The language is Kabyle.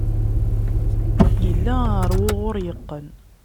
Yella ɣer wuɣur yeqqen.